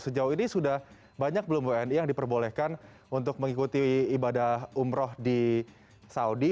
sejauh ini sudah banyak belum wni yang diperbolehkan untuk mengikuti ibadah umroh di saudi